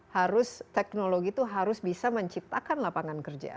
harus teknologi itu harus bisa menciptakan lapangan kerja